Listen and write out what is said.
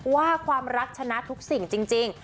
ว่าความรักชนะทุกสิ่งจริง